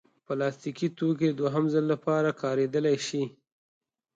پلاستيکي توکي د دوهم ځل لپاره کارېدلی شي.